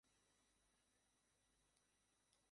আবার এর পাঠেও ভীষণ দুর্বলতা রয়েছে।